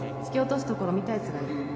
「突き落とすところ見た奴がいる」